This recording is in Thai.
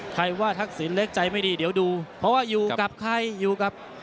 ใครว่าทักษิณเล็กใจไม่ดีเดี๋ยวดูเพราะว่าอยู่กับใครอยู่กับ